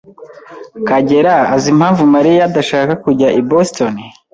Kagera azi impamvu Mariya adashaka kujyana i Boston?